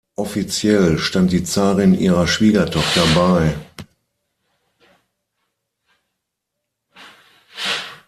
Offiziell stand die Zarin ihrer Schwiegertochter bei.